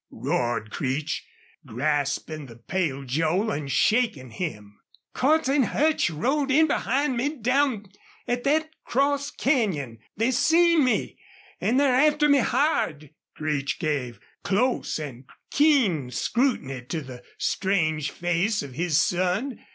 roared Creech, grasping the pale Joel and shaking him. "Cordts an' Hutch rode in behind me down at thet cross canyon. They seen me. An' they're after me hard!" Creech gave close and keen scrutiny to the strange face of his son.